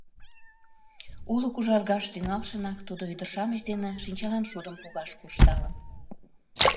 Олык ужаргаш тӱҥалшынак тудо ӱдыр-шамыч дене шинчаланшудым погаш куржталын.